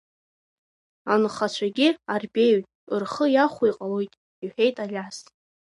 Анхацәагьы арбеиоит, рхы иахәо иҟалоит, — иҳәеит Алиас.